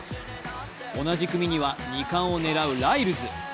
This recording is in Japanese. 同じ組には２冠を狙うライルズ。